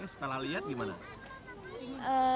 setelah lihat gimana